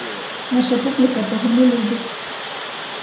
Наша публіка того не любить!